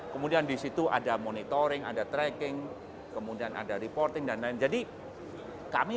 kemudian disitu ada monitoring ada tracking kemudian ada reporting dan lain jadi kami